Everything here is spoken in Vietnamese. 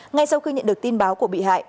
ngay sau khi nhận được tin báo của bị hại